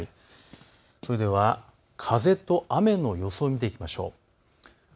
それでは風と雨の予想を見ていきましょう。